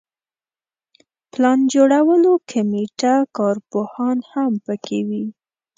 پلان جوړولو کمیټه کارپوهان هم په کې وي.